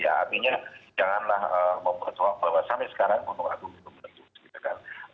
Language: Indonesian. artinya janganlah mempertua bahwa sampai sekarang gunung agung belum meletus